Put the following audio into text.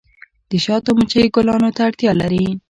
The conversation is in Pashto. د شاتو مچۍ ګلانو ته اړتیا لري